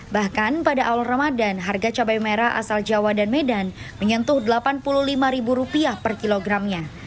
bahkan pada awal ramadan harga cabai merah asal jawa dan medan menyentuh rp delapan puluh lima per kilogramnya